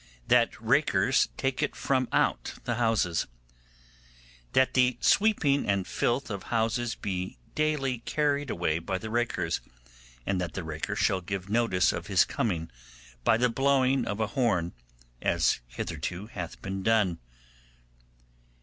That Rakers take it from out the Houses. 'That the sweeping and filth of houses be daily carried away by the rakers, and that the raker shall give notice of his coming by the blowing of a horn, as hitherto hath been done.